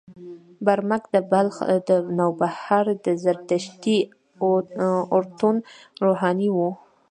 برمک د بلخ د نوبهار د زردشتي اورتون روحاني و.